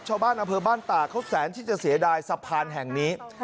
ชาวบ้านอำเภอบ้านตากเขาแสนที่จะเสียดายสะพานแห่งนี้